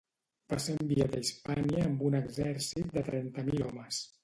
Va ser enviat a Hispània amb un exèrcit de trenta mil homes.